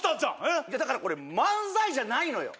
いやだからこれ漫才じゃないのよ